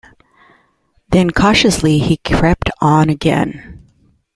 Then cautiously he crept on again.